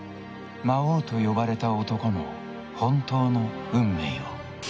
魔王と呼ばれた男の本当の運命を。